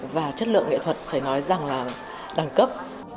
và chất lượng nghệ thuật phải nói rằng là đẳng cấp